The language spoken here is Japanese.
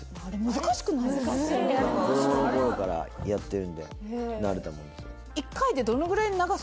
難しい子供の頃からやってるんで慣れたもんですよ